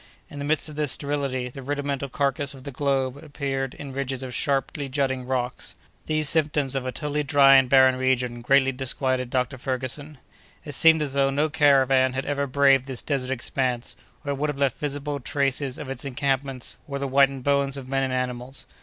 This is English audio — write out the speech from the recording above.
In the midst of this sterility, the rudimental carcass of the Globe appeared in ridges of sharply jutting rock. These symptoms of a totally dry and barren region greatly disquieted Dr. Ferguson. It seemed as though no caravan had ever braved this desert expanse, or it would have left visible traces of its encampments, or the whitened bones of men and animals.